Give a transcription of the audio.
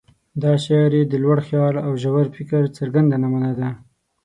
دا شعر یې د لوړ خیال او ژور فکر څرګنده نمونه ده.